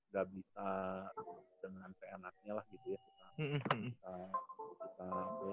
gak bisa dengan pnr nya lah gitu ya